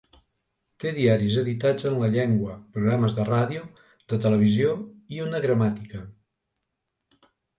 Té diaris editats en la llengua, programes de ràdio, de televisió i una gramàtica.